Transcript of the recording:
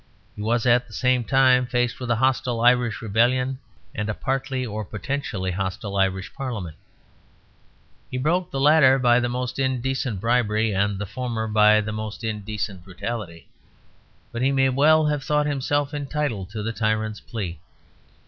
He was at the same time faced with a hostile Irish rebellion and a partly or potentially hostile Irish Parliament. He broke the latter by the most indecent bribery and the former by the most indecent brutality, but he may well have thought himself entitled to the tyrant's plea.